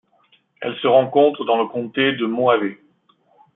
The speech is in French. Elle se rencontre dans le comté de Mohave.